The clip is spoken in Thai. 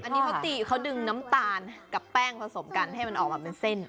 อันนี้เขาตีเขาดึงน้ำตาลกับแป้งผสมกันให้มันออกมาเป็นเส้น